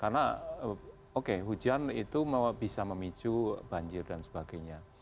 karena oke hujan itu bisa memicu banjir dan sebagainya